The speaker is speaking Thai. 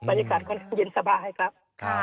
บรรยากาศก็เย็นสบายครับ